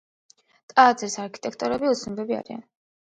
ტაძრის არქიტექტორები უცნობები არიან.